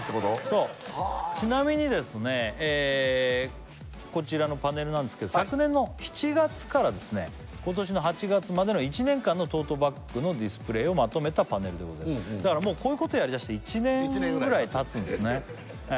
そうちなみにですねこちらのパネルなんですけど昨年の７月から今年の８月までの１年間のトートバッグのディスプレイをまとめたパネルでございますだからもうこういうことやりだして１年ぐらいたつんですね